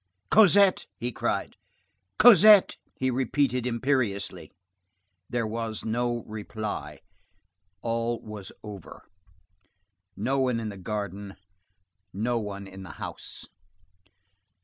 —"Cosette!" he cried; "Cosette!" he repeated imperiously. There was no reply. All was over. No one in the garden; no one in the house.